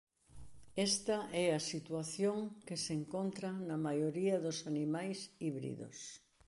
Esta é a situación que se encontra na maioría dos animais híbridos.